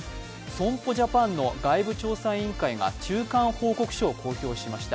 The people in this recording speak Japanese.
損保ジャパンの外部調査委員会が中間報告書を公表しました。